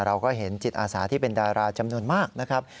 เราก็เห็นจิตอาสาที่เป็นดาราจำนวนมากนะครับ